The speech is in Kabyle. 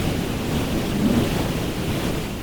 Susmen akk.